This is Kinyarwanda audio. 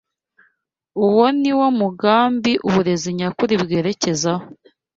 Uwo ni wo mugambi uburezi nyakuri bwerekezaho